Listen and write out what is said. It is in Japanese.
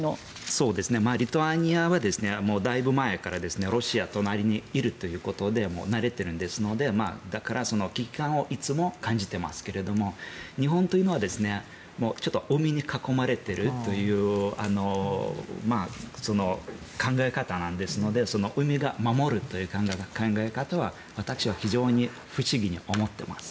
リトアニアはだいぶ前からロシアが隣にいるということで慣れているのでだから、危機感をいつも感じていますけれども日本というのは海に囲まれているという考え方なので海が守るという考え方は私は非常に不思議に思っています。